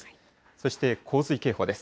そして洪水警報です。